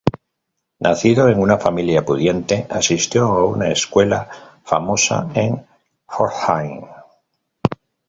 Nacido en una familia pudiente, asistió a una escuela famosa en Pforzheim.